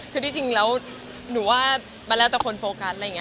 คือสิ่งที่เราหัวเลยมันแล้วต่อคนโฟกัส